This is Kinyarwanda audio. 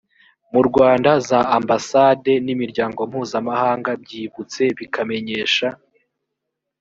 mu rwanda za ambasade n imiryango mpuzamahanga byibutse bikamenyesha